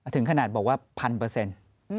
ถึงขนาดบอกว่าพันเปอร์เซ็นต์